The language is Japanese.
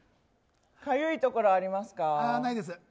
かゆいところありますか？